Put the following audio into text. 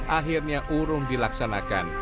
akhirnya urung dilaksanakan